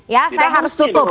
ya saya harus tutup